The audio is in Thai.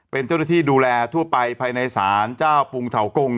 เป็นเจ้าหน้าที่ดูแลทั่วไปภายในศาลเจ้าปรุงเถากง